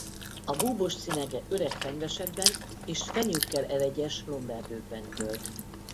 A búbos cinege öreg fenyvesekben és fenyőkkel elegyes lomberdőkben költ.